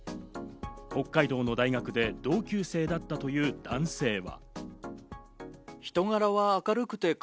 北海道の大学で同級生だったという男性は。